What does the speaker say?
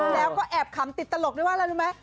แล้วก็แอบขำติดตลกด้วยว่าอะไรรู้ไหม